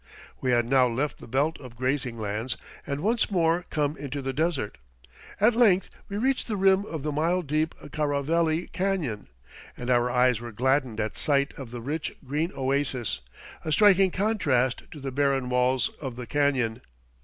We had now left the belt of grazing lands and once more come into the desert. At length we reached the rim of the mile deep Caraveli Canyon and our eyes were gladdened at sight of the rich green oasis, a striking contrast to the barren walls of the canyon.